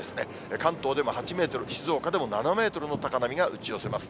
関東でも８メートル、静岡でも７メートルの高波が打ち寄せます。